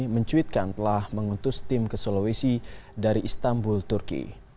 mencuitkan telah mengutus tim ke sulawesi dari istanbul turki